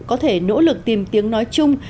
có thể nỗ lực tìm tiếng nói chung